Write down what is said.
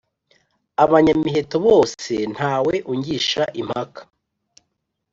abanyamiheto bose ntawe ungisha impaka.